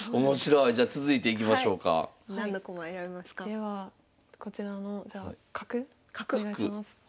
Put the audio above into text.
ではこちらのじゃあ角お願いします。